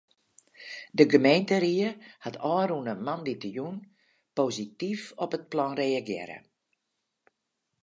De gemeenteried hat ôfrûne moandeitejûn posityf op it plan reagearre.